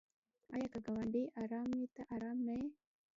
آیا که ګاونډی ارام وي ته ارام نه یې؟